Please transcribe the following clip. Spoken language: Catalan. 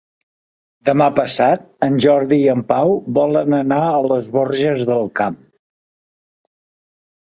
Demà passat en Jordi i en Pau volen anar a les Borges del Camp.